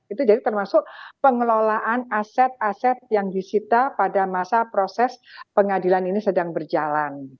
itu jadi termasuk pengelolaan aset aset yang disita pada masa proses pengadilan ini sedang berjalan